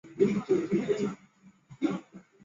我想说还有时间